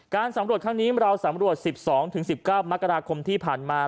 สำรวจครั้งนี้เราสำรวจ๑๒๑๙มกราคมที่ผ่านมา